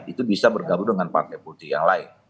itu bisa bergabung dengan partai politik yang lain